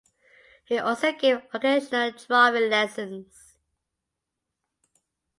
He also gave occasional drawing lessons.